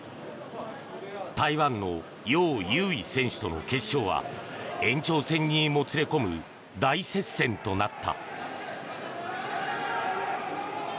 台湾のヨウ・ユウイ選手との決勝は延長戦にもつれ込む大接戦となった。